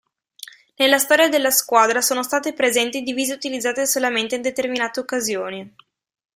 Nella storia della squadra sono state presenti divise utilizzate solamente in determinate occasioni.